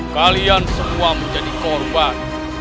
kalian semua menjadi korban